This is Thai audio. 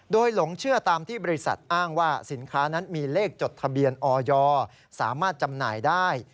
โดยหลงเชื่อตามที่บริษัทอ้างว่าสินค้านั้นมีเลขจดทะเบียนออยสามารถจำหน่ายได้